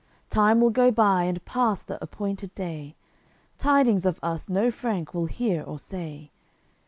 Time will go by, and pass the appointed day; Tidings of us no Frank will hear or say.